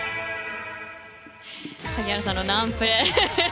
萩原さんのナンプレ。